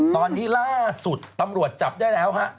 ตอนนี้ล่าสุดตำรวจจับได้แล้วฮะ